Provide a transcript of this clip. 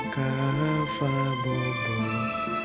kalau tidak bobo